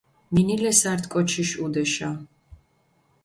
მინილეს ართი კოჩიში ჸუდეშა.